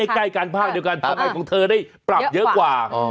ใกล้การพราคเดียวกันธรรมะศพของเธอได้ปรับเยอะกว่า